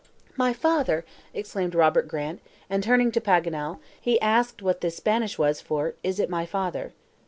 "My father!" exclaimed Robert Grant, and, turning to Paganel, he asked what the Spanish was for, "Is it my father."